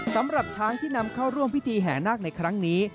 สำหรับช้างที่นำเข้าร่วมพิธีแห่นาคในครั้งนี้